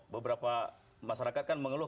beberapa masyarakat kan mengeluh